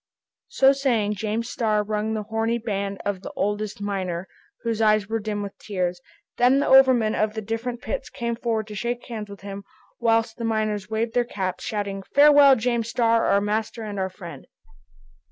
So saying, James Starr wrung the horny hand of the oldest miner, whose eyes were dim with tears. Then the overmen of the different pits came forward to shake hands with him, whilst the miners waved their caps, shouting, "Farewell, James Starr, our master and our friend!"